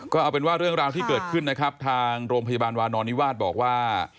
ก็เอาเป็นว่าเรื่องราวที่เกิดขึ้นนะครับทางโรงพยาบาลวานอนนิวาสบอกว่า